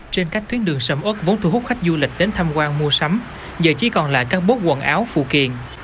trên các tuyến đường sầm ớt vốn thu hút khách du lịch đến tham quan mua sắm giờ chỉ còn lại các bốt quần áo phụ kiện